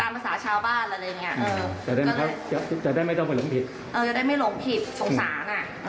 การภาษาชาวบ้านหรืออะไรจะได้ไม่ลงผิดสงสาร